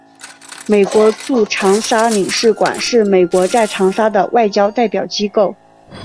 美国驻长沙领事馆是美国在长沙的外交代表机构。